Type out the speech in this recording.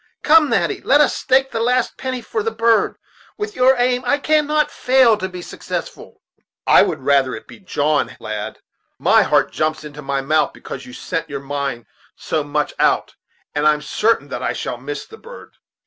Come, Natty, let us stake the last penny for the bird; with your aim, it cannot fail to be successful." "I would rather it should be John, lad; my heart jumps into my mouth, because you set your mind so much out; and I'm sartain that I shall miss the bird.